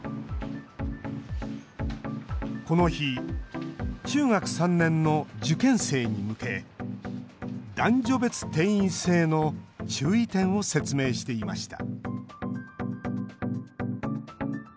この日、中学３年の受験生に向け男女別定員制の注意点を説明していました